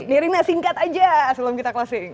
nirina singkat aja sebelum kita closing